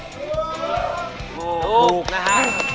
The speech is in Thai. ถูกนะครับ